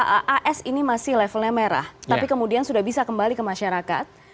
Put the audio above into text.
apakah as ini masih levelnya merah tapi kemudian sudah bisa kembali ke masyarakat